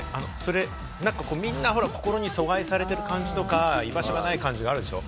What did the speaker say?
みんな心に疎外されてる感じとか、居場所がない感じあるでしょ。